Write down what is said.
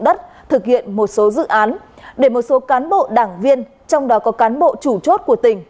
đất thực hiện một số dự án để một số cán bộ đảng viên trong đó có cán bộ chủ chốt của tỉnh